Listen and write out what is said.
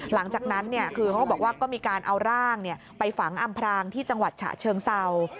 หลังจากนั้นคือเขาก็บอกว่าก็มีการเอาร่างไปฝังอำพรางที่จังหวัดฉะเชิงเศร้า